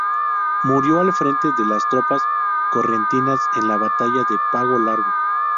Murió al frente de las tropas correntinas en la batalla de Pago Largo.